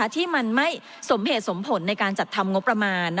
ที่มันไม่สมเหตุสมผลในการจัดทำงบประมาณ